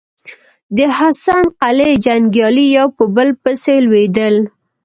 د حسن قلي جنګيالي يو په بل پسې لوېدل.